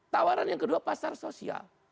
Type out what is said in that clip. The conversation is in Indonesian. tawaran yang kedua pasar sosial